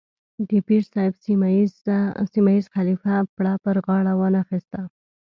د پیر صاحب سیمه ییز خلیفه پړه پر غاړه وانه اخیسته.